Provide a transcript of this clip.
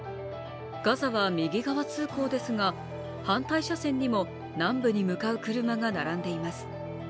ガザは右側通行ですが反対車線にも南部に向かう車が並んでいます。